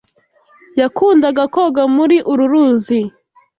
Yakundaga koga muri uru ruzi.